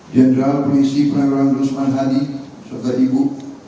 general komisi penagrawan rusman hadi serta ibu